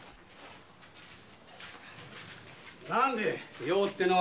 何でぇ「用」ってのは。